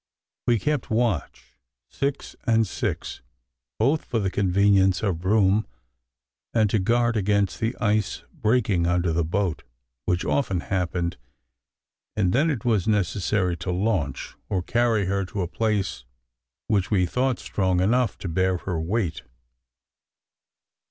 We kept watch six and six, both for the convenience of room, and to guard against the ice breaking under our boat, which often happened, and then it was necessary to launch, or carry her to a place which we thought strong enough to bear her weight.